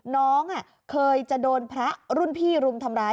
น้องเคยจะโดนพระรุ่นพี่รุมทำร้าย